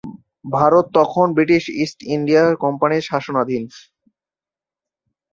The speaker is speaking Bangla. ভারত তখন ব্রিটিশ ইস্ট ইন্ডিয়া কোম্পানির শাসনাধীন।